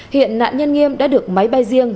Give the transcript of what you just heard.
hiện nạn nhân nghiêm đã được máy bay riêng